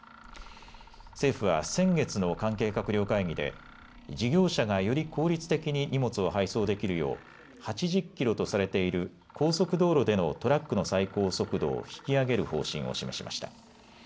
政府は先月の関係閣僚会議で事業者がより効率的に荷物を配送できるよう８０キロとされている高速道路でのトラックの最高速度を引き上げる方針を示しました。